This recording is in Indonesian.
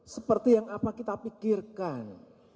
seperti yang apa kita pikirkan